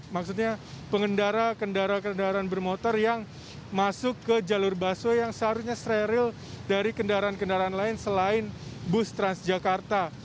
maksudnya pengendara kendaraan bermotor yang masuk ke jalur busway yang seharusnya steril dari kendaraan kendaraan lain selain bus transjakarta